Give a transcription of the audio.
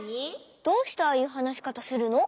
どうしてああいうはなしかたするの？